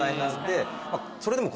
それでも。